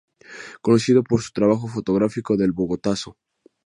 Conocido por su trabajo fotográfico del Bogotazo.